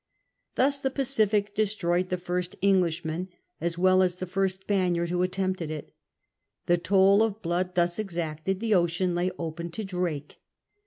Thus the Pacific destroyed the first Englishman as well as the first Spaniard who attempted it. The toll of blood thus exacted, the ocean lay open to Drake.